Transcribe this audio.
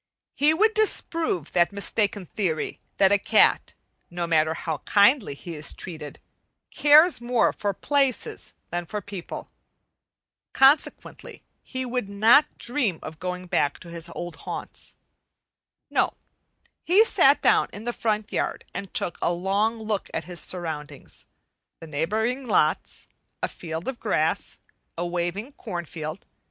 He would disprove that mistaken theory that a cat, no matter how kindly he is treated, cares more for places than for people. Consequently he would not dream of going back to his old haunts. No; he sat down in the front yard and took a long look at his surroundings, the neighboring lots, a field of grass, a waving corn field.